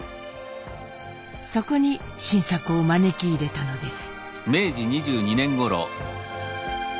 そこに新作を招き入れたのです。